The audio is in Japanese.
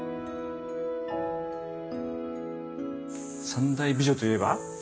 三大美女といえば？